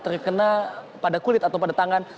terkena pada kulit atau pada tangan